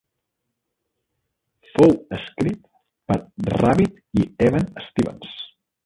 Fou escrit per Rabbitt i Even Stevens.